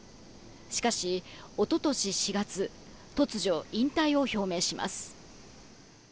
しかし、一昨年４月突如、引退を表明します。